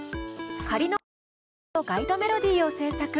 仮の音で歌のガイドメロディーを制作。